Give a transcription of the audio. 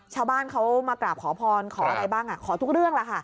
ชาวบ้านเขามากราบขอพรขออะไรบ้างขอทุกเรื่องล่ะค่ะ